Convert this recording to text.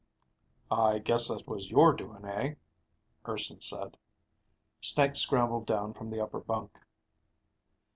"I guess that was your doing, eh?" Urson said. Snake scrambled down from the upper bunk.